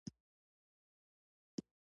ډالري حساب لرونکو ته د پیسو ایستلو اجازه نه وه.